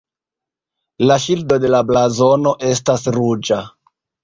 La ŝildo de la blazono estas ruĝa.